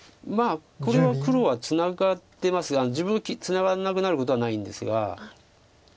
まあこれは黒はツナがってますが自分がツナがらなくなることはないんですが。